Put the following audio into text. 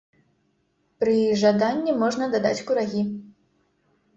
Пры жаданні можна дадаць курагі.